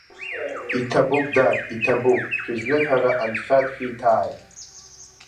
Иҭабуп, дад, иҭабуп, шәызныҳәара анцәа дшәиҭааит.